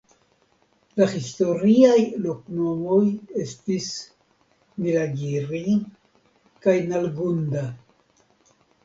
La historiaj loknomoj estis "Nilagiri" kaj "Nalgunda".